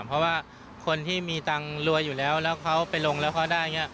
เพราะว่าคนที่มีตังค์รวยอยู่แล้วเขาไปลงแล้วเขาได้